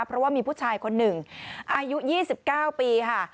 เพราะว่ามีผู้ชายคนหนึ่งอายุยี่สิบเก้าปีค่ะ